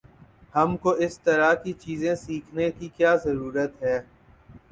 ہم کو اس طرح کی چیزیں سیکھنے کی کیا ضرورت ہے؟